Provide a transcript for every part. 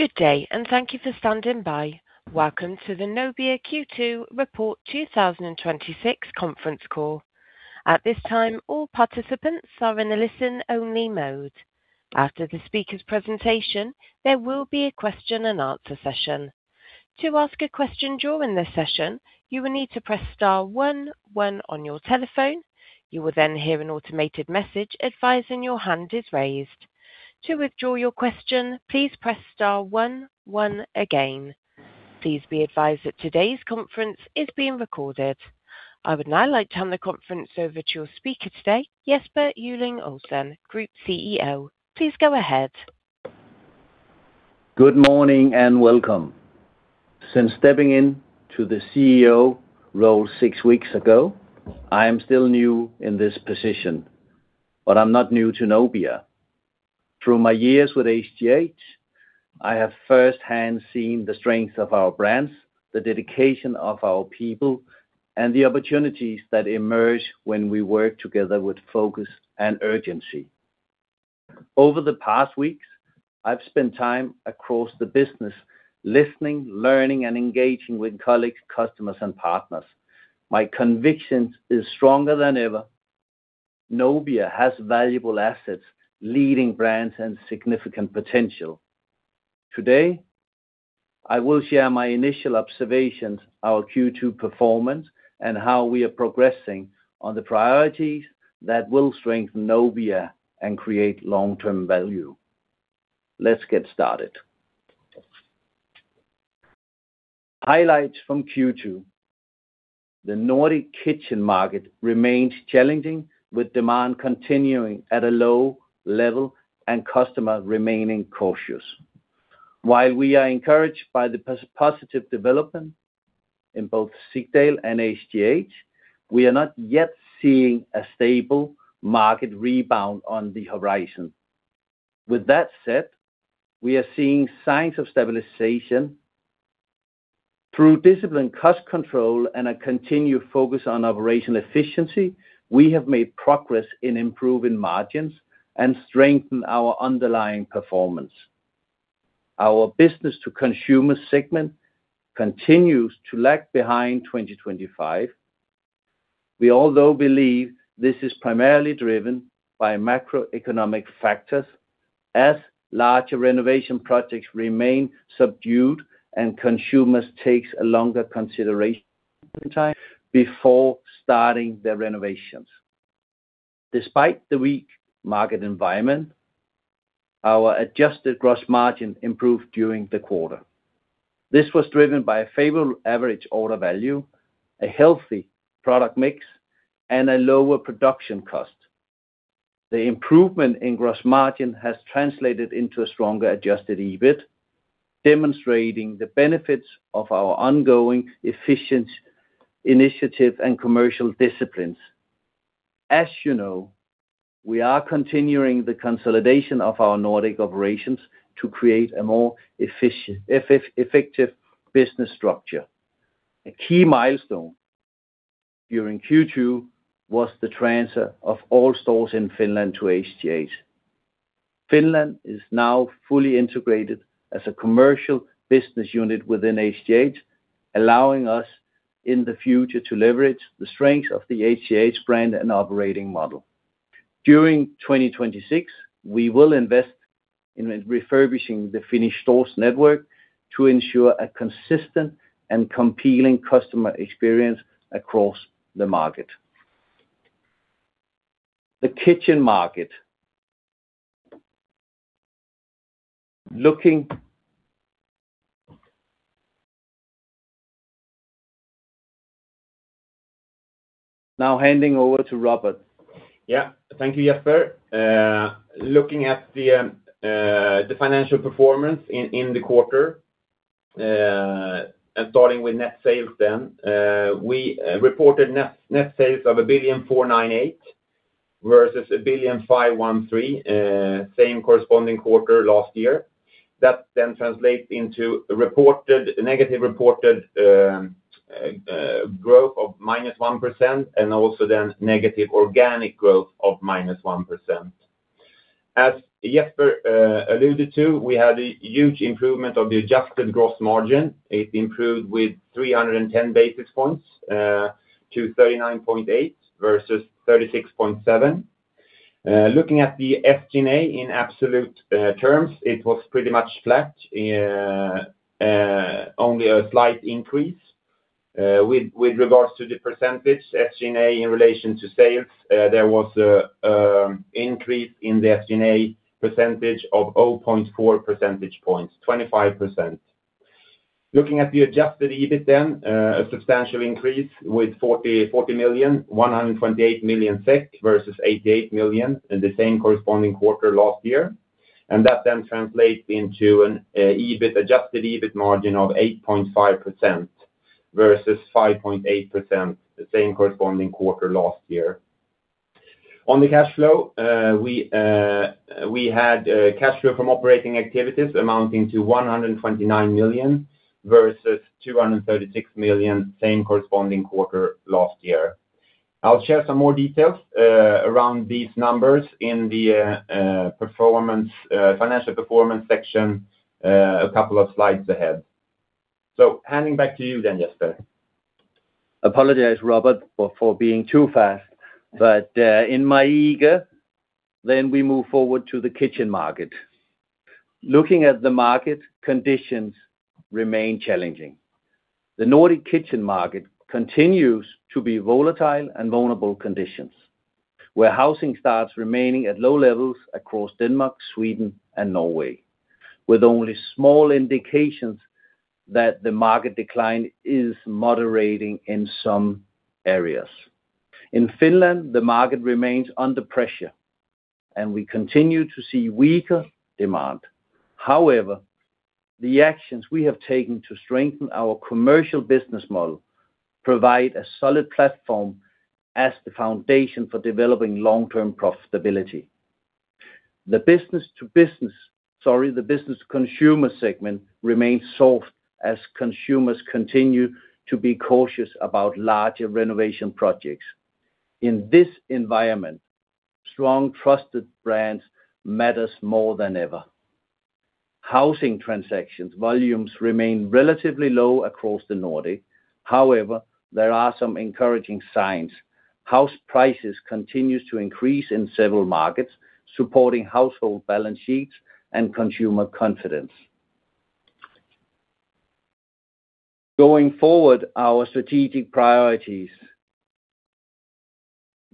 Good day, thank you for standing by. Welcome to the Nobia Q2 report 2026 conference call. At this time, all participants are in a listen-only mode. After the speaker's presentation, there will be a question-and-answer session. To ask a question during the session, you will need to press star one one on your telephone. You will hear an automated message advising your hand is raised. To withdraw your question, please press star one one again. Please be advised that today's conference is being recorded. I would now like to hand the conference over to your speaker today, Jesper Gylling Olsen, Group CEO. Please go ahead. Good morning, welcome. Since stepping into the CEO role six weeks ago, I am still new in this position, but I'm not new to Nobia. Through my years with HTH, I have firsthand seen the strength of our brands, the dedication of our people, and the opportunities that emerge when we work together with focus and urgency. Over the past weeks, I've spent time across the business listening, learning, and engaging with colleagues, customers, and partners. My conviction is stronger than ever. Nobia has valuable assets, leading brands, and significant potential. Today, I will share my initial observations, our Q2 performance, and how we are progressing on the priorities that will strengthen Nobia and create long-term value. Let's get started. Highlights from Q2. The Nordic kitchen market remains challenging, with demand continuing at a low level and customer remaining cautious. While we are encouraged by the positive development in both Sigdal and HTH, we are not yet seeing a stable market rebound on the horizon. With that said, we are seeing signs of stabilization. Through disciplined cost control and a continued focus on operational efficiency, we have made progress in improving margins and strengthen our underlying performance. Our business to consumer segment continues to lag behind 2025. We although believe this is primarily driven by macroeconomic factors as larger renovation projects remain subdued and consumers takes a longer consideration time before starting their renovations. Despite the weak market environment, our adjusted gross margin improved during the quarter. This was driven by a favorable average order value, a healthy product mix, and a lower production cost. The improvement in gross margin has translated into a stronger adjusted EBIT, demonstrating the benefits of our ongoing efficient initiative and commercial disciplines. As you know, we are continuing the consolidation of our Nordic operations to create a more effective business structure. A key milestone during Q2 was the transfer of all stores in Finland to HTH. Finland is now fully integrated as a commercial business unit within HTH, allowing us in the future to leverage the strength of the HTH brand and operating model. During 2026, we will invest in refurbishing the Finnish stores network to ensure a consistent and compelling customer experience across the market. The kitchen market. Looking-- Now handing over to Robert. Thank you, Jesper. Looking at the financial performance in the quarter, and starting with net sales, we reported net sales of 1.498 billion versus 1.513 billion, same corresponding quarter last year. That then translates into negative reported growth of -1% and also negative organic growth of -1%. As Jesper alluded to, we had a huge improvement of the adjusted gross margin. It improved with 310 basis points to 39.8% versus 36.7%. Looking at the SG&A in absolute terms, it was pretty much flat, only a slight increase. With regards to the percentage SG&A in relation to sales, there was an increase in the SG&A percentage of 0.4 percentage points, 25%. Looking at the adjusted EBIT, a substantial increase with 128 million SEK versus 88 million in the same corresponding quarter last year. That translates into an adjusted EBIT margin of 8.5% versus 5.8% the same corresponding quarter last year. On the cash flow, we had cash flow from operating activities amounting to 129 million versus 236 million same corresponding quarter last year. I will share some more details around these numbers in the financial performance section, a couple of slides ahead. Handing back to you, Jesper. Apologize, Robert, for being too fast. In my eager, we move forward to the kitchen market. Looking at the market, conditions remain challenging. The Nordic kitchen market continues to be volatile and vulnerable conditions, where housing starts remaining at low levels across Denmark, Sweden, and Norway, with only small indications that the market decline is moderating in some areas. In Finland, the market remains under pressure, and we continue to see weaker demand. However, the actions we have taken to strengthen our commercial business model provide a solid platform as the foundation for developing long-term profitability. The business-to-consumer segment remains soft as consumers continue to be cautious about larger renovation projects. In this environment, strong trusted brands matters more than ever. Housing transactions volumes remain relatively low across the Nordic. However, there are some encouraging signs. House prices continue to increase in several markets, supporting household balance sheets and consumer confidence. Going forward, our strategic priorities.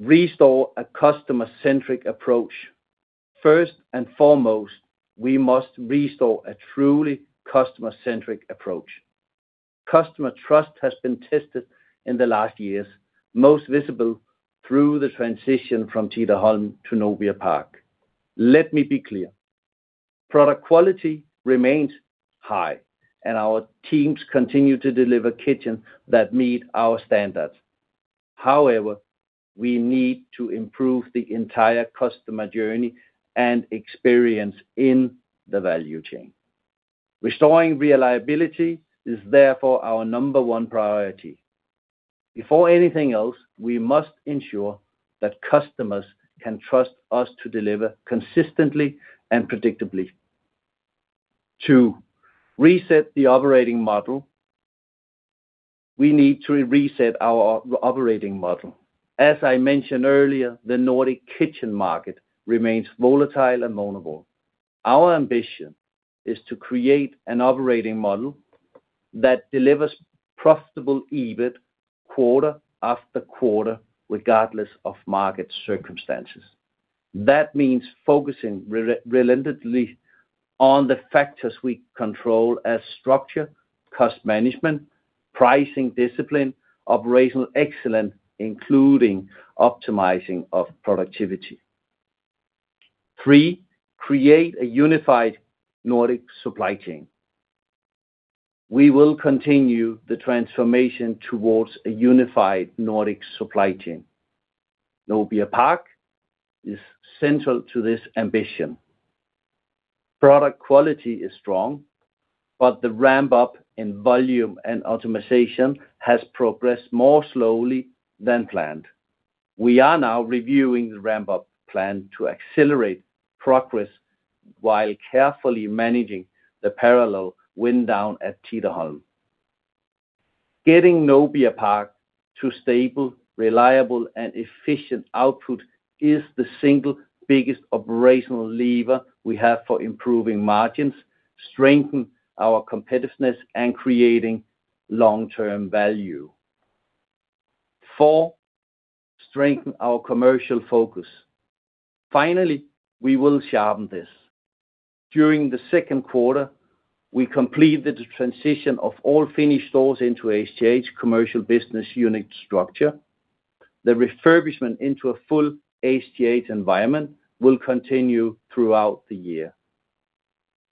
Restore a customer-centric approach. First and foremost, we must restore a truly customer-centric approach. Customer trust has been tested in the last years, most visible through the transition from Tidaholm to Nobia Park. Let me be clear. Product quality remains high, and our teams continue to deliver kitchens that meet our standards. However, we need to improve the entire customer journey and experience in the value chain. Restoring reliability is therefore our number one priority. Before anything else, we must ensure that customers can trust us to deliver consistently and predictably. Two, reset the operating model. We need to reset our operating model. As I mentioned earlier, the Nordic kitchen market remains volatile and vulnerable. Our ambition is to create an operating model that delivers profitable EBIT quarter-after-quarter, regardless of market circumstances. That means focusing relentlessly on the factors we control as structure, cost management, pricing discipline, operational excellence, including optimizing of productivity. Three, create a unified Nordic supply chain. We will continue the transformation towards a unified Nordic supply chain. Nobia Park is central to this ambition. Product quality is strong, but the ramp-up in volume and automatization has progressed more slowly than planned. We are now reviewing the ramp-up plan to accelerate progress while carefully managing the parallel wind down at Tidaholm. Getting Nobia Park to stable, reliable, and efficient output is the single biggest operational lever we have for improving margins, strengthen our competitiveness, and creating long-term value. Four, strengthen our commercial focus. Finally, we will sharpen this. During the second quarter, we completed the transition of all Finnish stores into HTH commercial business unit structure. The refurbishment into a full HTH environment will continue throughout the year.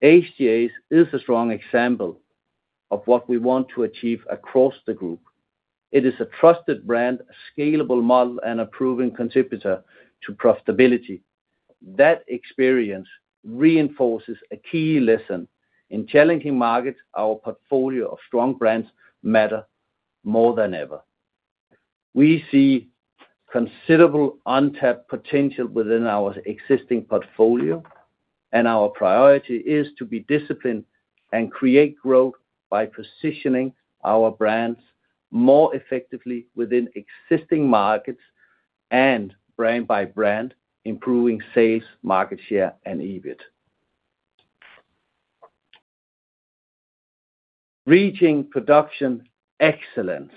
HTH is a strong example of what we want to achieve across the group. It is a trusted brand, a scalable model, and a proven contributor to profitability. That experience reinforces a key lesson. In challenging markets, our portfolio of strong brands matter more than ever. We see considerable untapped potential within our existing portfolio, and our priority is to be disciplined and create growth by positioning our brands more effectively within existing markets and brand by brand, improving sales, market share, and EBIT. Reaching production excellence.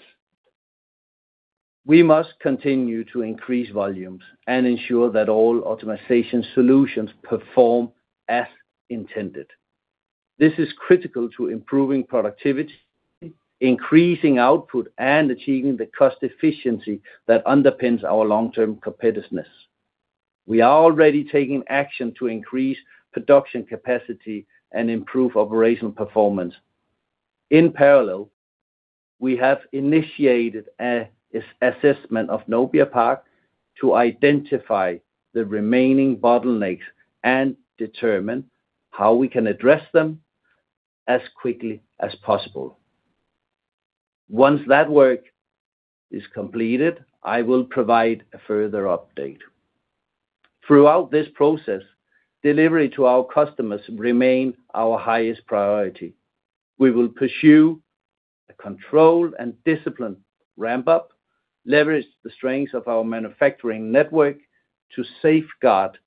We must continue to increase volumes and ensure that all automatization solutions perform as intended. This is critical to improving productivity, increasing output, and achieving the cost efficiency that underpins our long-term competitiveness. We are already taking action to increase production capacity and improve operational performance. In parallel, we have initiated an assessment of Nobia Park to identify the remaining bottlenecks and determine how we can address them as quickly as possible. Once that work is completed, I will provide a further update. Throughout this process, delivery to our customers remain our highest priority. We will pursue a controlled and disciplined ramp-up, leverage the strengths of our manufacturing network to safeguard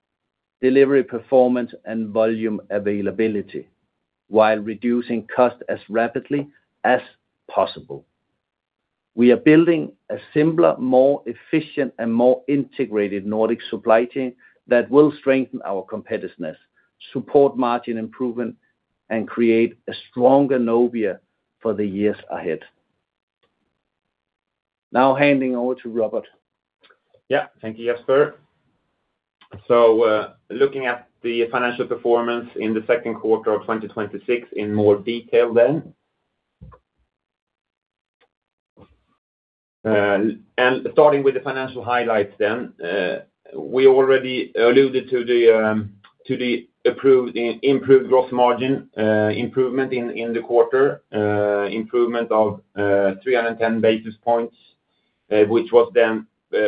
delivery performance and volume availability, while reducing cost as rapidly as possible. We are building a simpler, more efficient, and more integrated Nordic supply chain that will strengthen our competitiveness, support margin improvement, and create a stronger Nobia for the years ahead. Now handing over to Robert. Yeah. Thank you, Jesper. Looking at the financial performance in the second quarter of 2026 in more detail. Starting with the financial highlights, we already alluded to the improved growth margin improvement in the quarter, improvement of 310 basis points, which was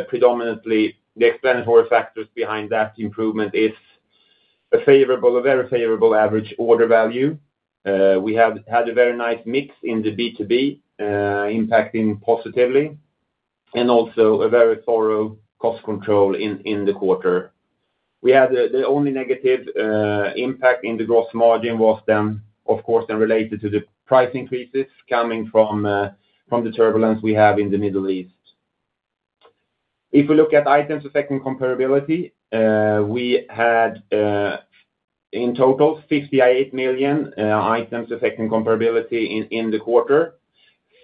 predominantly the explanatory factors behind that improvement is a very favorable average order value. We have had a very nice mix in the B2B, impacting positively and also a very thorough cost control in the quarter. The only negative impact in the gross margin was, of course, related to the price increases coming from the turbulence we have in the Middle East. If we look at items affecting comparability, we had in total 58 million items affecting comparability in the quarter.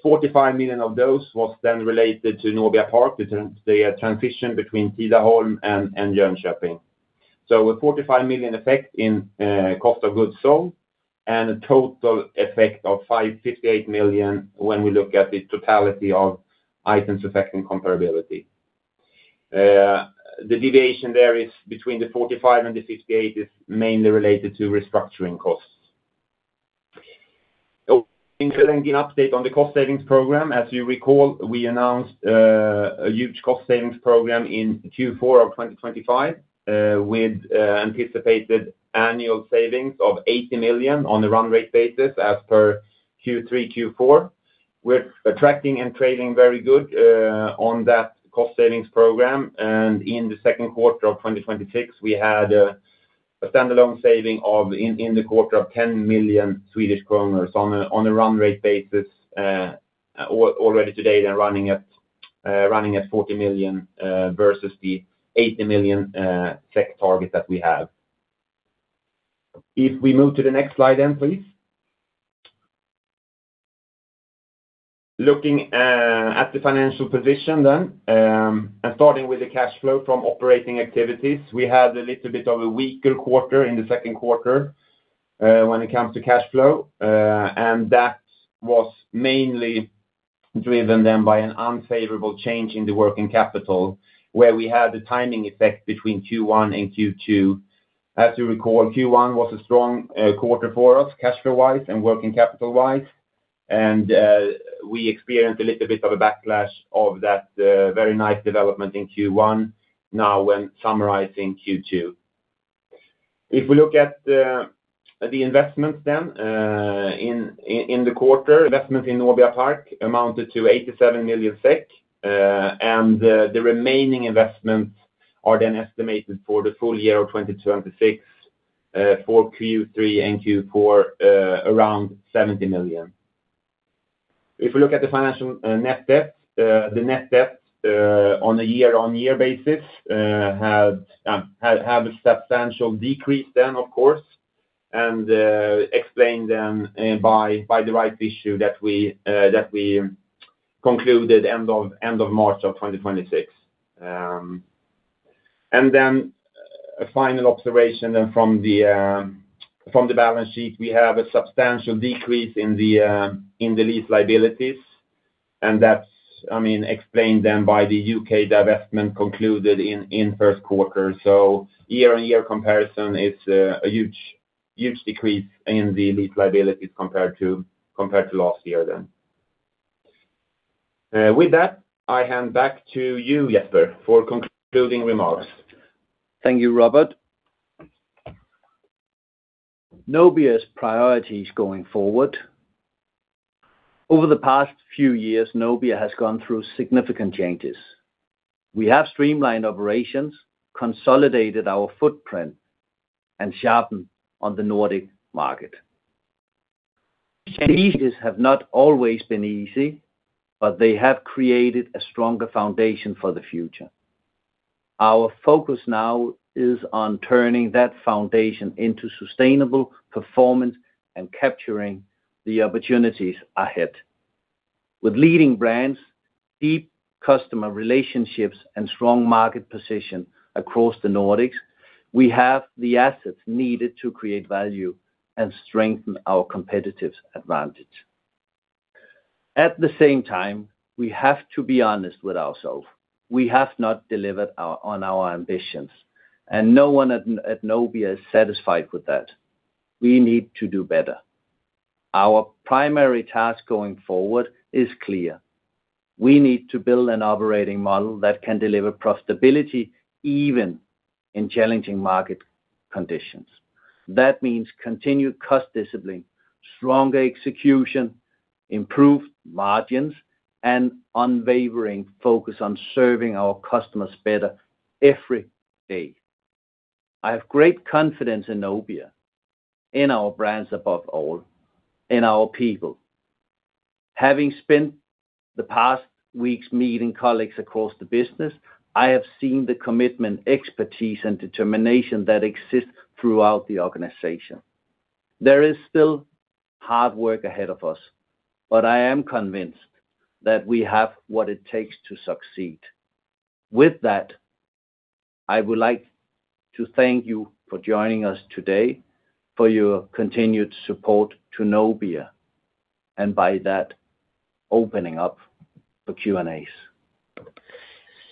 45 million of those was related to Nobia Park, the transition between Tidaholm and Jönköping. A 45 million effect in cost of goods sold and a total effect of 58 million when we look at the totality of items affecting comparability. The deviation there is between the 45 and the 58 is mainly related to restructuring costs. Including an update on the cost savings program, as you recall, we announced a huge cost savings program in Q4 of 2025, with anticipated annual savings of 80 million on a run rate basis as per Q3, Q4. We are tracking and trading very good on that cost savings program. In the second quarter of 2026, we had a standalone saving in the quarter of 10 million Swedish kronor on a run rate basis, already today they are running at 40 million, versus the 80 million target that we have. If we move to the next slide, please. Looking at the financial position, and starting with the cash flow from operating activities, we had a little bit of a weaker quarter in the second quarter, when it comes to cash flow. That was mainly driven by an unfavorable change in the working capital, where we had a timing effect between Q1 and Q2. As you recall, Q1 was a strong quarter for us, cash flow-wise and working capital-wise, and we experienced a little bit of a backlash of that very nice development in Q1 now when summarizing Q2. If we look at the investments in the quarter, investment in Nobia Park amounted to 87 million SEK, and the remaining investments are then estimated for the full year of 2026, for Q3 and Q4, around 70 million. If we look at the financial net debt, the net debt on a year-on-year basis had a substantial decrease, of course, and explained by the rights issue that we concluded end of March of 2026. A final observation from the balance sheet, we have a substantial decrease in the lease liabilities, and that is explained by the U.K. divestment concluded in first quarter. So year-on-year comparison, it is a huge decrease in the lease liabilities compared to last year. With that, I hand back to you, Jesper, for concluding remarks. Thank you, Robert. Nobia's priorities going forward. Over the past few years, Nobia has gone through significant changes. We have streamlined operations, consolidated our footprint, and sharpened on the Nordic market. Changes have not always been easy, but they have created a stronger foundation for the future. Our focus now is on turning that foundation into sustainable performance and capturing the opportunities ahead. With leading brands, deep customer relationships, and strong market position across the Nordics, we have the assets needed to create value and strengthen our competitive advantage. At the same time, we have to be honest with ourselves. We have not delivered on our ambitions, and no one at Nobia is satisfied with that. We need to do better. Our primary task going forward is clear. We need to build an operating model that can deliver profitability even in challenging market conditions. That means continued cost discipline, stronger execution, improved margins, and unwavering focus on serving our customers better every day. I have great confidence in Nobia, in our brands above all, in our people. Having spent the past weeks meeting colleagues across the business, I have seen the commitment, expertise, and determination that exists throughout the organization. There is still hard work ahead of us, but I am convinced that we have what it takes to succeed. With that, I would like to thank you for joining us today, for your continued support to Nobia, and by that, opening up for Q&As.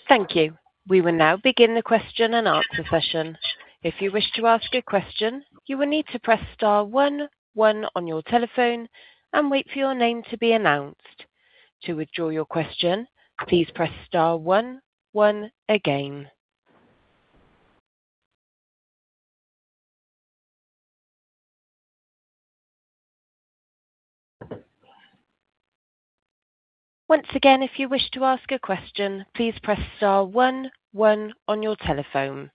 Thank you. We will now begin the question and answer session. If you wish to ask a question, you will need to press star one one on your telephone and wait for your name to be announced. To withdraw your question, please press star one one again. Once again, if you wish to ask a question, please press star one one on your telephone.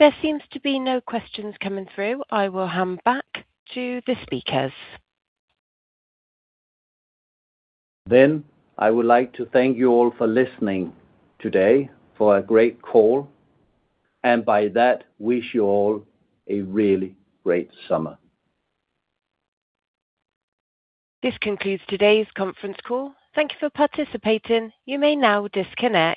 There seems to be no questions coming through. I will hand back to the speakers. I would like to thank you all for listening today, for a great call, and by that, wish you all a really great summer. This concludes today's conference call. Thank you for participating. You may now disconnect.